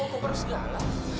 mau ke perusgala